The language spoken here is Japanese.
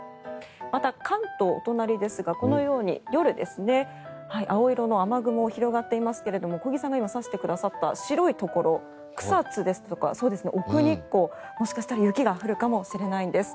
また、関東、お隣ですがこのように夜ですが青色の雨雲が広がっていますが小木さんが今指してくださった白いところ草津ですとか奥日光もしかしたら雪が降るかもしれないんです。